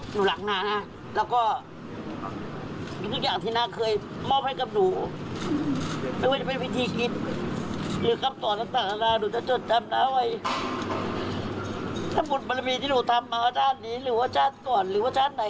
หนูรักหน้านะ